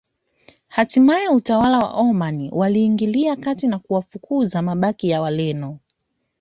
Hatimae watawala wa Omani waliingilia kati na kuwafukuza mabaki ya Wareno